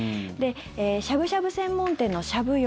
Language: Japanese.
しゃぶしゃぶ専門店のしゃぶ葉。